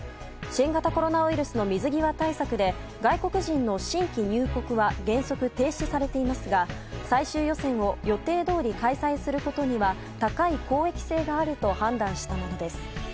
新型コロナウイルスの水際対策で外国人の新規入国は原則停止されていますが最終予選を予定どおり開催することには高い公益性があると判断したものです。